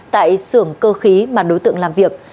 tại xưởng cơ khí mà đối tượng làm việc